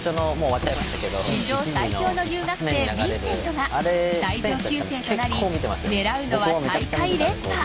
史上最強の留学生ヴィンセントが最上級生となり狙うのは大会連覇。